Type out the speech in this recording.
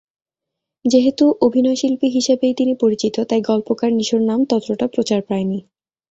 যেহেতু অভিনয়শিল্পী হিসেবেই তিনি পরিচিত, তাই গল্পকার নিশোর নাম ততটা প্রচার পায়নি।